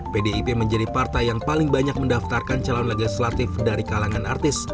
pdip menjadi partai yang paling banyak mendaftarkan calon legislatif dari kalangan artis